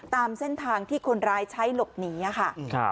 ตามเส้นทางที่คนร้ายใช้หลบหนีค่ะ